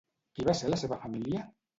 Qui va ser la seva família?